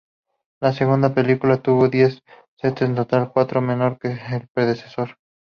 La segunda película tuvo diez sets en total, cuatro menos que su predecesor.